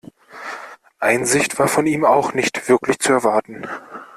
Einsicht war von ihm auch nicht wirklich zu erwarten.